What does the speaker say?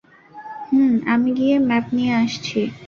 হুম, আমি গিয়ে ম্যাপ নিয়ে আসছি।